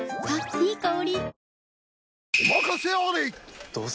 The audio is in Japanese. いい香り。